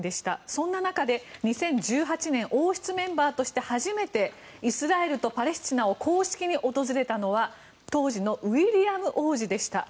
そんな中で２０１８年王室メンバーとして初めてイスラエルとパレスチナを公式に訪れたのは当時のウィリアム王子でした。